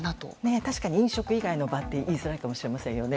確かに、飲食以外の場って言いづらいかもしれませんね。